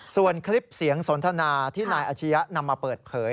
ส่วนคลิปเสียงสนทนาที่นายอาชียะนำมาเปิดเผย